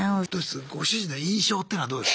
ご主人の印象ってのはどうですか？